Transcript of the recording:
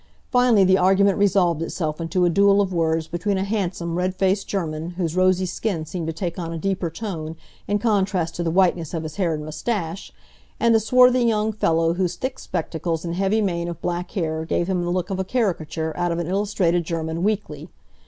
Finally the argument resolved itself into a duel of words between a handsome, red faced German whose rosy skin seemed to take on a deeper tone in contrast to the whiteness of his hair and mustache, and a swarthy young fellow whose thick spectacles and heavy mane of black hair gave him the look of a caricature out of an illustrated German weekly.